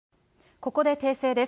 ここで訂正です。